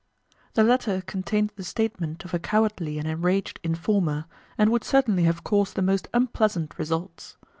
The letter contained the statement of a cowardly and enraged informer, and would certainly have caused the most unpleasant results.